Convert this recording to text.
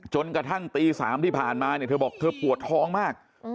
จนกระทั่งตี๓ที่ผ่านมาโทรบอกคือเปราะท้องมาก